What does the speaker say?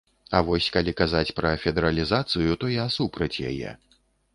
А вось калі казаць пра федэралізацыю, то я супраць яе.